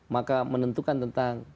maka menentukan tentang